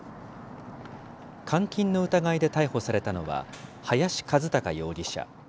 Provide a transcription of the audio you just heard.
監禁の疑いで逮捕されたのは、林一貴容疑者。